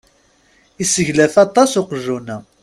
Iseglaf aṭas uqjun-a.